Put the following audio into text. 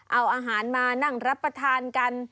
เอาอาหารมานั่งรับประทานกัน